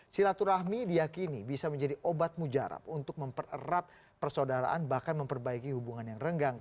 silaturahmi diakini bisa menjadi obat mujarab untuk mempererat persaudaraan bahkan memperbaiki hubungan yang renggang